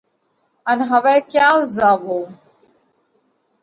ان هوَئہ ڪيال زاوَو۔